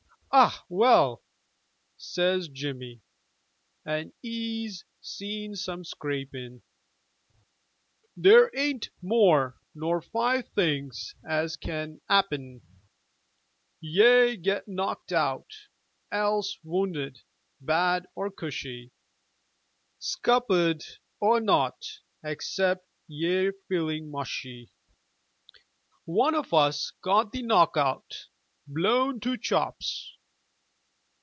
"Ah well," says Jimmy, an' 'e's seen some scrappin' "There ain't more nor five things as can 'appen; Ye get knocked out; else wounded bad or cushy; Scuppered; or nowt except yer feeling mushy." One of us got the knock out, blown to chops.